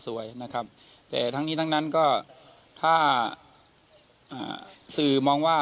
๓๑ลุงพลแม่ตะเคียนเข้าสิงหรือเปล่า